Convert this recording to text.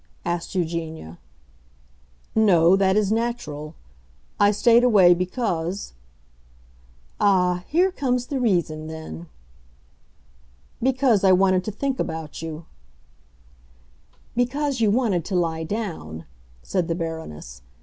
asked Eugenia. "No, that is natural. I stayed away because——" "Ah, here comes the reason, then!" "Because I wanted to think about you." "Because you wanted to lie down!" said the Baroness.